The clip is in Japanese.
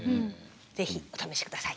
是非お試し下さい。